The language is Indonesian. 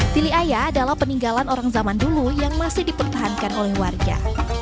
tili ayah adalah peninggalan orang zaman dulu yang masih dipertahankan oleh warga